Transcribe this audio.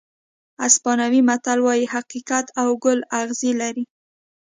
اسپانوي متل وایي حقیقت او ګل اغزي لري.